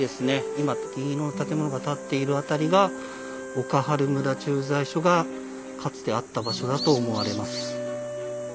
今銀色の建物が建っている辺りが岡原村駐在所がかつてあった場所だと思われます。